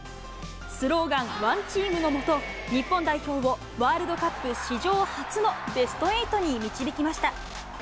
スローガン、ＯＮＥＴＥＡＭの下、日本代表をワールドカップ史上初のベスト８に導きました。